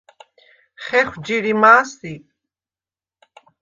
ხეხვ ჯირიმა̄ სი?